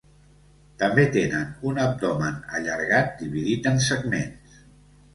També tenen un abdomen allargat dividit en segments.